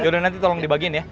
yaudah nanti tolong dibagiin ya